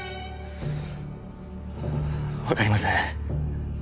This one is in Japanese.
わかりません。